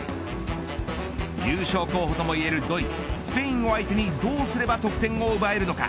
優勝候補ともいえるドイツ、スペインを相手にどうすれば得点を奪えるのか。